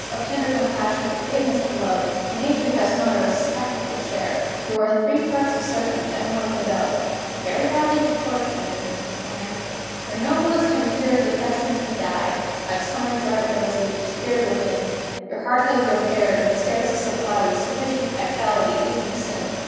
Of tender compassion, forgiveness, and love, Your nature has not a respectable share; You are three parts of serpent, and one of the dove Very badly proportioned, dear Mistress Glenare. Your noblest and purest affections have died, Like summer dried roses, your spirit within; Your heart has grown arid, and scarce is supplied With sufficient vitality even to sin.